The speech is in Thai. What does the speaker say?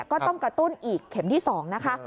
ก็ต้องกระตุ้นอีกเข็มที่๒นะคะ